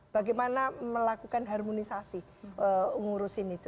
bagaimana melakukan harmonisasi ngurusin itu